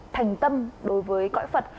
thành tâm đối với cõi phật